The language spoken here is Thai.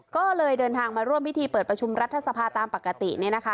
ก็เลยเดินทางมาร่วมพิธีเปิดประชุมรัฐสภาตามปกติเนี่ยนะคะ